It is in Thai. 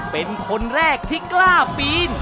เป็นคนแรกที่กล้าปีน